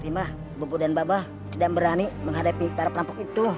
rima bobo dan baba tidak berani menghadapi para perampok itu